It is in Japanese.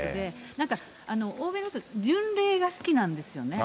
なんか、欧米の人って巡礼が好きなんですよね。